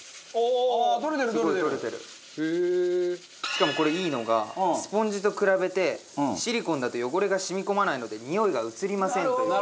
しかもこれいいのがスポンジと比べてシリコンだと汚れが染み込まないのでにおいが移りませんという。